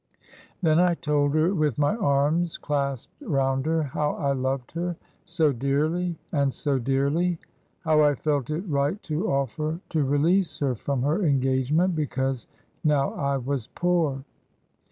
... Then I told her with my arms clasped round her, how I loved her, so dearly, and so dearly; how I felt it right to oflfer to re lease her from her engagement, because now I was poor.